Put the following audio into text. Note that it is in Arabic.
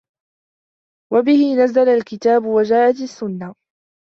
وَبِهِ نَزَلَ الْكِتَابُ وَجَاءَتْ السُّنَّةُ